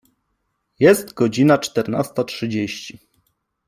Jest godzina czternasta trzydzieści.